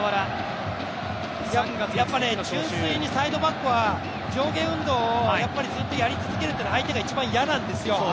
純粋にサイドバックは上下運動をずっとやり続けるというのは相手が一番嫌なんですよ。